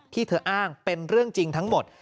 ที่เธออ้างเป็นเรื่องจริงทั้งหมด